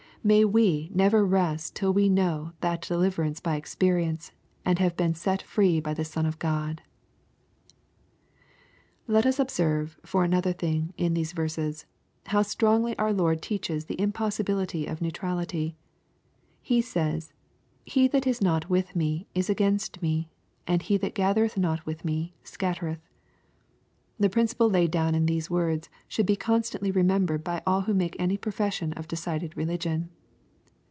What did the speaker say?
May we never rest till we know that deliv erance by experience, and have been set free by the Son of God 1 Let us observe, for another thing, in these verses, how strongly our Lord teaches the impossibility of neutrality. He says, " he that is not with me, is against me ; and he that gathereth not with me, scattereth.'' The principle laid down in these words should be con stantly remembered by all who make any profession of decided religion.